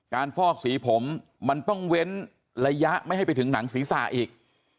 ฟอกสีผมมันต้องเว้นระยะไม่ให้ไปถึงหนังศีรษะอีก